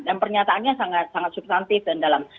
dan pernyataannya sangat sangat substantif dan dalam